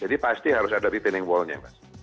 jadi pasti harus ada retaining wall nya mas